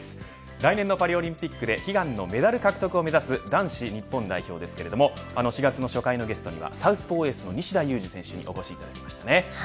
来年パリオリンピックで悲願のメダル獲得を目指す男子日本代表ですけれども４月の初回のゲストにはサウスポーエースの西田有志選手にお越しいただきました。